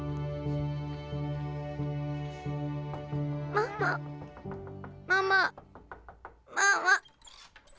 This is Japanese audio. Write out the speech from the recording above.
ママママママ。